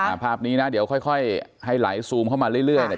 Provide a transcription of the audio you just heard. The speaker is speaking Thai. ภาพนี้นะเดี๋ยวค่อยค่อยให้ไหลซูมเข้ามาเรื่อยเรื่อยเนี่ย